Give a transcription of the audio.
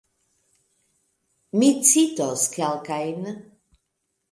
Mi citos kelkajn.